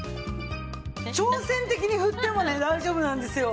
挑戦的に振ってもね大丈夫なんですよ。